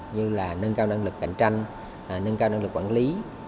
như là nâng cao năng lực cạnh tranh nâng cao năng lực quản lý